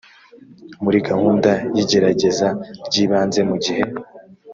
muri gahunda y igerageza ry ibanze mu gihe